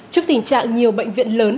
trước tình trạng nhiều bệnh viện lớn